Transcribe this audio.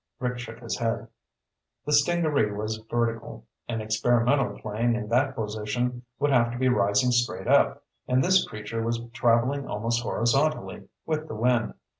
Rick shook his head. "The stingaree was vertical. An experimental plane in that position would have to be rising straight up, and this creature was traveling almost horizontally, with the wind.